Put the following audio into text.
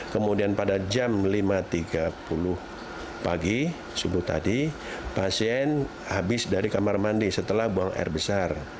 kemudian pada jam lima tiga puluh pagi subuh tadi pasien habis dari kamar mandi setelah buang air besar